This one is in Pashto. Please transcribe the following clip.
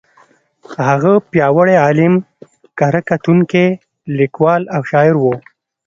هغه پیاوړی عالم، کره کتونکی، لیکوال او شاعر و.